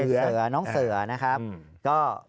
คือเสือน้องเสือนะครับ